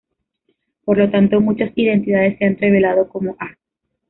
Por lo tanto, muchas identidades se han revelado como "A".